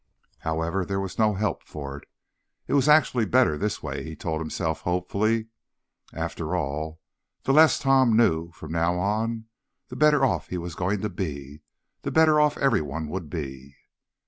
However, there was no help for it. It was actually better this way, he told himself hopefully. After all, the less Tom knew from now on, the better off he was going to be. The better off everyone would be.